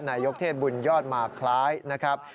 นายกเทพบุญยอดมาคล้ายนะครับ